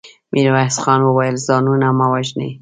ميرويس خان وويل: ځانونه مه وژنئ.